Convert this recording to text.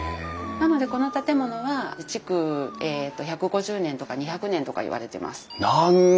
なのでこの建物は築１５０年とか２００年とかいわれてます。